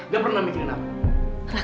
gak pernah mikirin apa